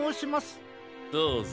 どうぞ。